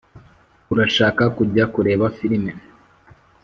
urashaka kujya kureba firime?